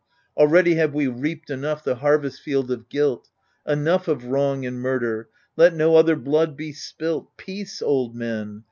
Already have we reaped enough the harvest field of guilt : Enough of wrong and murder, let no other blood be spilt. Peace, old men